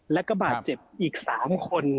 แล้วก็บาดเจ็บอีก๓คน